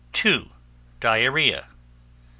Diarrhea 6.